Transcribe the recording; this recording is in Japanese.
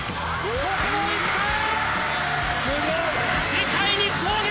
世界に衝撃！